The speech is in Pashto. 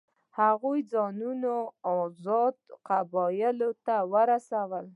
هغوی ځانونه آزادو قبایلو ته ورسول.